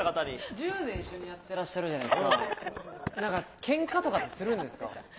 １０年一緒にやってらっしゃるじゃないですか、なんかけんかとかってするんですか？